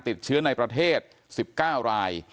ติดเชื้อในประเทศ๑๙ราย